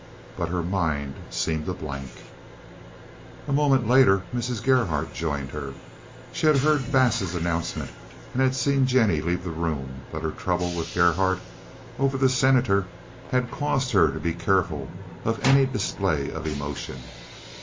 But her mind seemed a blank. A moment later Mrs. Gerhardt joined her. She had heard Bass's announcement and had seen Jennie leave the room, but her trouble with Gerhardt over the Senator had caused her to be careful of any display of emotion.